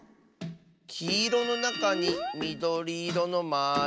きいろのなかにみどりいろのまる。